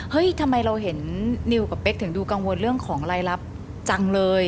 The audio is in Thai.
ทำไมเราเห็นนิวกับเป๊กถึงดูกังวลเรื่องของรายรับจังเลย